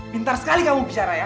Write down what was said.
pintar sekali kamu bicara ya